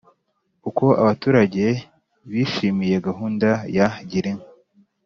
Uko abaturage bishimiye gahunda ya Girinka